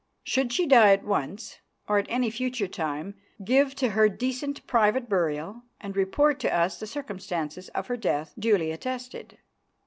Should she die at once, or at any future time, give to her decent private burial, and report to Us the circumstances of her death duly attested.